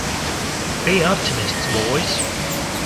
Be optimists, boys.